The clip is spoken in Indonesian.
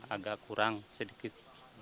agak kurang sedikit